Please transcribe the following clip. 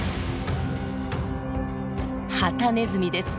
ハタネズミです。